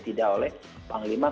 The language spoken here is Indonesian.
tidak oleh panglima